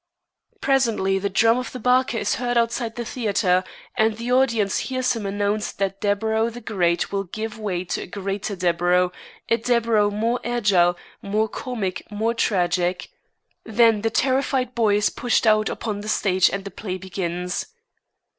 Presently the drum of the barker is heard outside the theater and the audience hears him announce that Deburau the great will give way to a greater Deburau, a Deburau more agile, more comic, more tragic. Then the terrified boy is pushed out upon the stage and the play begins.